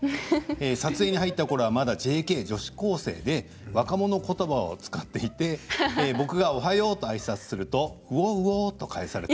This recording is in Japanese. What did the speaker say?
撮影に入ったころはまだＪＫ女子高生で若者ことばを使っていて僕がおはようとあいさつするとうぉうおと返された。